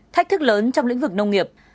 bốn thách thức lớn trong lĩnh vực nông nghiệp